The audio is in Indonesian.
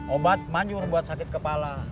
obat manjur buat sakit kepala